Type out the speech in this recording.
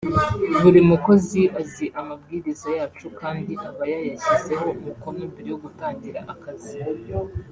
buri mukozi azi amabwiriza yacu kandi aba yayashyizeho umukono mbere yo gutangira akazi »